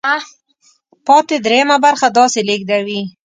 پاتې درېیمه برخه داسې لیږدوي.